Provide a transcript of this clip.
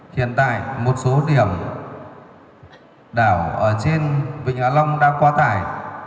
hiện tại một số điểm đảo ở trên vịnh hạ long đã quá tải